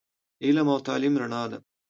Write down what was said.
علم او تعليم رڼا ده